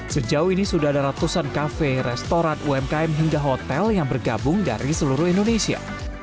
sejauh ini sudah ada ratusan kafe restoran umkm hingga hotel yang bergabung dari seluruh indonesia